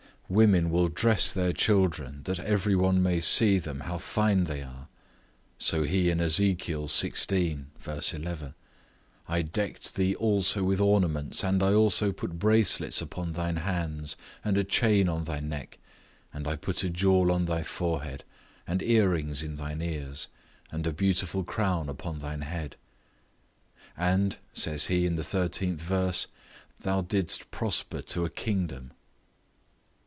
Women will dress their children, that every one may see them how fine they are; so he in Ezekiel xvi. 11—"I decked thee also with ornaments, and I also put bracelets upon thine hands, and a chain on thy neck. And I put a jewel on thy forehead, and ear rings in thine ears, and a beautiful crown upon thine head;" and, says he in the 13th verse, "thou didst prosper to a kingdom."